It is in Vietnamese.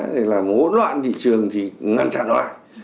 để làm hỗn loạn thị trường thì ngăn chặn nó lại